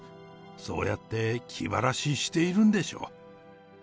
そうやって気晴らししているんでしょう。